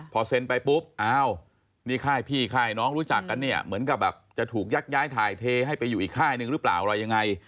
พอเซ็นไปปุ๊บอ้าวนี่ค่ายพี่ค่ายน้องรู้จักกันเนี่ยเหมือนกับแบบจะถูกยักย้ายถ่ายเทให้ไปอยู่อีกค่ายหนึ่งหรือเปล่าอะไรยังไง